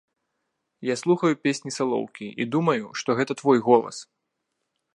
Я слухаю песні салоўкі і думаю, што гэта твой голас.